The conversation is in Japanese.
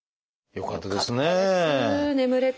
よかったです眠れてね。